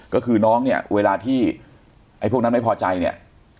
ก็คือน้องเนี่ยเวลาที่ไอ้พวกนั้นไม่พอใจเนี่ย